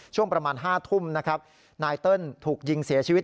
ช่วงประมาณ๕ทุ่มนะครับนายเติ้ลถูกยิงเสียชีวิต